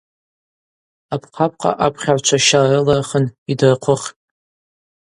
Апхъапхъа апхьагӏвчва ща рылырхын йдырхъвыхтӏ.